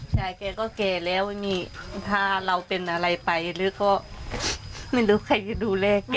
แกก็แก่แล้วไม่มีพาเราเป็นอะไรไปหรือก็ไม่รู้ใครจะดูแลแก